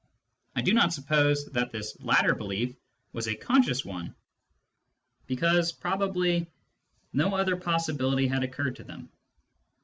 I do not suppose that this latter belief was a conscious one, because probably no other possibility had occurred to them.